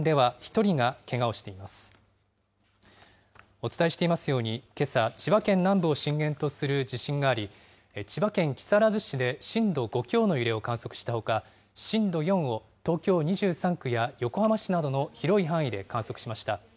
お伝えしていますように、けさ、千葉県南部を震源とする地震があり、千葉県木更津市で震度５強の揺れを観測したほか、震度４を東京２３区や横浜市などの広い範囲で観測しました。